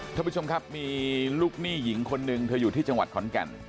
ท่านผู้ชมครับมีลูกหนี้หญิงคนหนึ่งเธออยู่ที่จังหวัดขอนแก่น